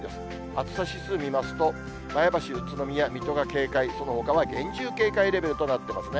暑さ指数を見ますと、前橋、宇都宮、水戸が警戒、そのほかは厳重警戒レベルとなってますね。